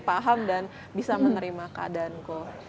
paham dan bisa menerima keadaanku